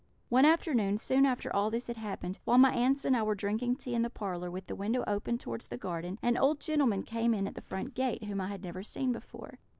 One afternoon, soon after all this had happened, while my aunts and I were drinking tea in the parlour, with the window open towards the garden, an old gentleman came in at the front gate, whom I had never seen before.